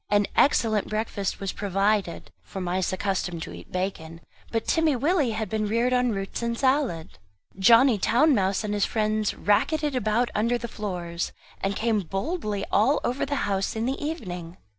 An excellent breakfast was provided for mice accustomed to eat bacon; but Timmy Willie had been reared on roots and salad. Johnny Town mouse and his friends racketted about under the floors, and came boldly out all over the house in the evening.